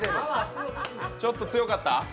ちょっと強かった？